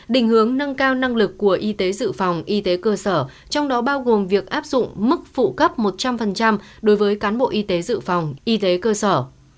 định hướng nâng cao năng lực của y tế dự phòng y tế cơ sở trong đó bao gồm việc áp dụng mức phụ cấp một trăm linh đối với cán bộ y tế dự phòng y tế cơ sở